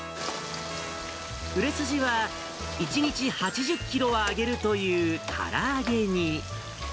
売れ筋は、１日８０キロは揚げるというから揚げに。